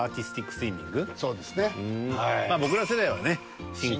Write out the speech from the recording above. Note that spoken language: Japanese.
スイミング。